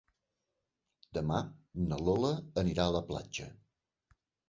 Demà na Lola anirà a la platja.